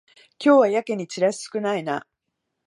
今日はやけにチラシ少ないな